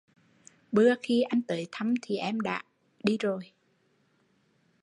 Bưa khi anh tới thăm thì em đi rồi